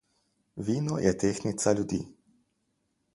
Vino je tehtnica ljudi.